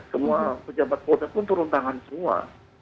semua pejabat kota pun turun tangan semua